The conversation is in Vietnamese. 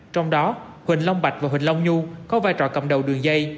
trong đó huỳnh long bạch và huỳnh long nhu có vai trò cầm đầu đường dây